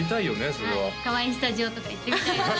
それはかわいいスタジオとか行ってみたいです